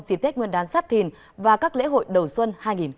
dịp tết nguyên đán sắp thìn và các lễ hội đầu xuân hai nghìn hai mươi bốn